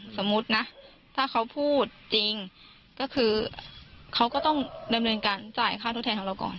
สมมุตินะถ้าเขาพูดจริงก็คือเขาก็ต้องดำเนินการจ่ายค่าทดแทนของเราก่อน